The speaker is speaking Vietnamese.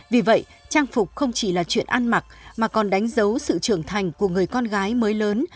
vì vậy trang phục không chỉ là chuyện ăn mặc mà còn đánh dấu sự trưởng thành của người con gái mới lớn